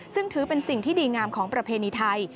ซึ่งถือเป็นสิ่งที่ดีงามของประเพณีไทย